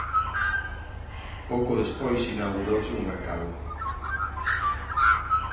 Pouco despois inaugurouse un mercado.